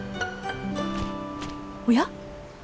おや！？